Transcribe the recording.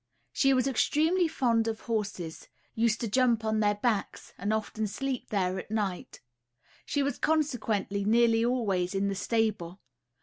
She was extremely fond of horses, used to jump on their backs, and often sleep there at night. She was consequently nearly always in the stable.